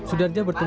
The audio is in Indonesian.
dia sudah berdarah